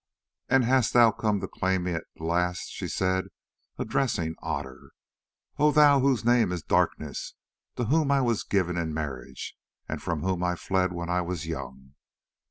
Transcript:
"And hast thou come to claim me at the last," she said, addressing Otter, "O thou whose name is Darkness, to whom I was given in marriage, and from whom I fled when I was young?